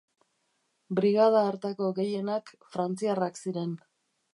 Brigada hartako gehienak frantziarrak ziren.